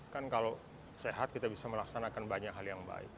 kan kalau sehat kita bisa melaksanakan banyak hal yang baik